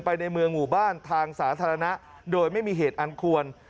ในเมืองหมู่บ้านทางสาธารณะโดยไม่มีเหตุอันควร